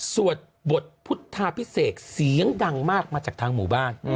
สวดบทพุทธาพิเศษเสียงดังมากมาจากทางหมู่บ้าน